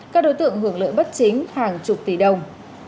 các đối tượng hưởng lợi bất chính hàng chục tỷ đồng